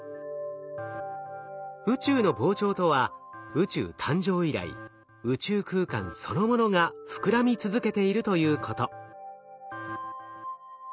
宇宙の膨張とは宇宙誕生以来宇宙空間そのものが膨らみ続けているということ。